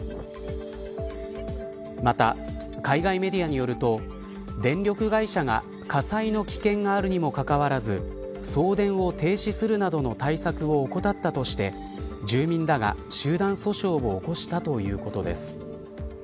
また、海外メディアによると電力会社が火災の危険があるにもかかわらず送電を停止するなどの対策を怠ったとして住民らが、集団訴訟を起こしたということです。